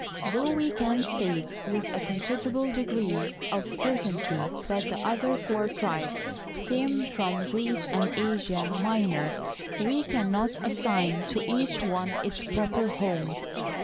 Though we can state with a considerable degree of certamty that the other four tribes came from Greece and Asia Minor, we can not assign to each one its proper home.